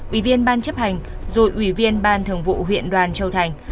ủy viên ban chấp hành rồi ủy viên ban thường vụ huyện đoàn châu thành